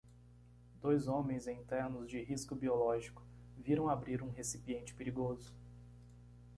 Dois homens em ternos de risco biológico viram abrir um recipiente perigoso.